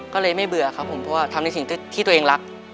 ก็เลยไม่เบื่อครับผมเพราะว่าทำในสิ่งที่ตัวเองรัก